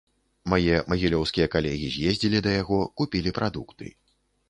Мае магілёўскія калегі з'ездзілі да яго, купілі прадукты.